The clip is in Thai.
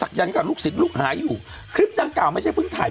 ยันต์กับลูกศิษย์ลูกหาอยู่คลิปดังกล่าวไม่ใช่เพิ่งถ่าย